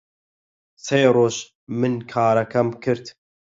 سێ ڕۆژ من کارەکەم کرد